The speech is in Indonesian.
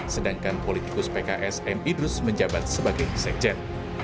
sedangkan politikus pks m idrus menjabat sebagai sekjen